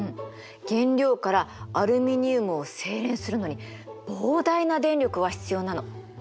原料からアルミニウムを精錬するのに膨大な電力が必要なの。